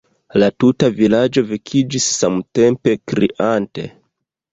La tuta vilaĝo vekiĝis samtempe, kriante.